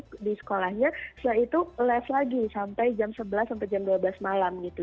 jadi di sekolahnya setelah itu lez lagi sampai jam sebelas sampai jam dua belas malam gitu